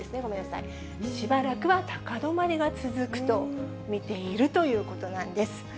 しばらくは高止まりが続くと見ているということなんです。